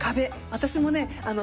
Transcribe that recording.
私もね。